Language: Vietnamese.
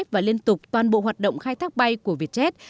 và liên tục toàn bộ hoạt động khai thác bay của vietjet